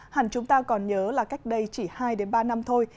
hẳn chúng ta còn nhớ là cách đây chỉ hai ba năm thôi